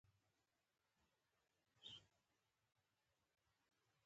د کاروان ګرد وغبار ته یې پام شو.